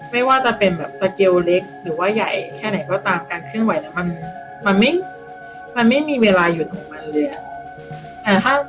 ไม่ว่าจะเป็นแบบสเกลเล็กหรือว่าใหญ่แค่ไหนก็ตามการเคลื่อนไหวแล้วมันไม่มีเวลาหยุดของมันเลยอะ